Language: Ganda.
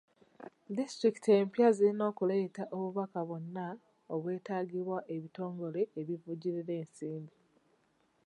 Disitulikiti empya zirina okuleeta obubaka bwonna obwetagibwa ebitongole ebivujjirira ensmbi.